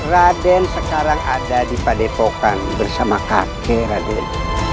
raden sekarang ada di padepokan bersama kakek raden